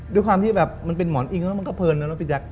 ด้วยความที่แบบมันเป็นหมอนอิงแล้วมันก็เพลินนะเนาะพี่แจ๊ค